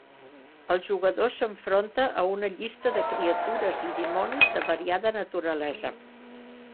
El jugador s'enfronta a una llista de criatures i dimonis de variada naturalesa.